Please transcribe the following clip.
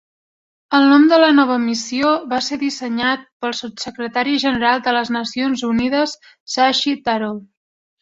El nom de la nova missió va ser dissenyat pel Sotssecretari General de les Nacions Unides Shashi Tharoor.